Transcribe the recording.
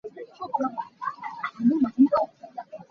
Caw khanh na duh cang maw?